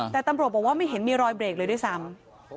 แต่ตำรวจบอกว่าไม่เห็นมีรอยเบรกเลยด้วยซ้ำ